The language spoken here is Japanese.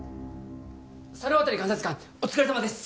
猿渡監察官お疲れさまです